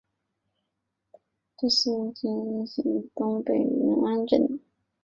治所在今云阳县东北云安镇。